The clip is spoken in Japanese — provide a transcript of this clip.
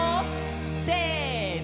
せの！